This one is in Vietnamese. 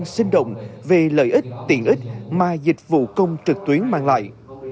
tổ chức trực tuyến đang sinh động về lợi ích tiện ích mà dịch vụ công trực tuyến mang lại